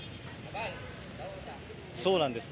そうなんですね。